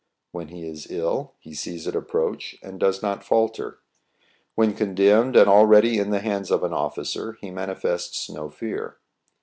When he is ill, he sees it approach, and does not falter. When condemned, and already in the hands of an officer, he manifests no fear.